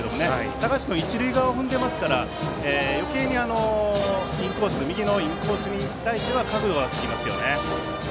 高橋君は一塁側を踏んでいますから右のインコースに対しては角度がつきますよね。